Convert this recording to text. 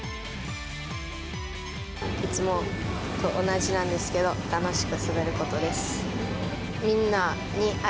いつもと同じなんですけど、楽しく滑ることです。